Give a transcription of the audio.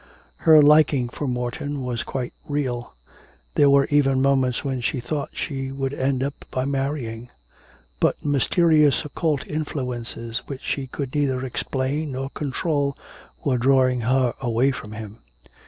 Her liking for Morton was quite real; there were even moments when she thought that she would end by marrying. But mysterious occult influences which she could neither explain nor control were drawing her away from him.